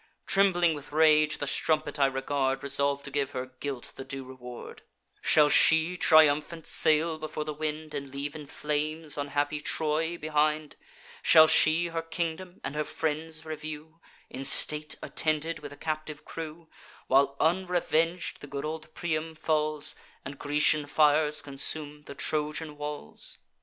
Trembling with rage, the strumpet I regard, Resolv'd to give her guilt the due reward: 'Shall she triumphant sail before the wind, And leave in flames unhappy Troy behind? Shall she her kingdom and her friends review, In state attended with a captive crew, While unreveng'd the good old Priam falls, And Grecian fires consume the Trojan walls?